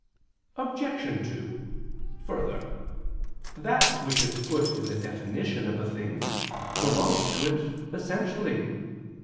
Obj. 2: Further, that which is put in the definition of a thing, belongs to it essentially.